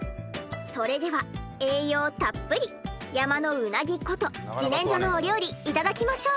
それでは栄養たっぷり山のうなぎこと自然薯のお料理いただきましょう。